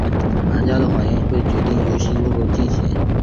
玩家的反应会决定游戏如何进行。